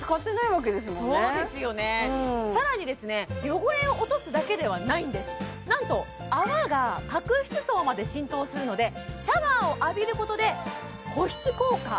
汚れを落とすだけではないんですなんと泡が角質層まで浸透するのでシャワーを浴びることで保湿効果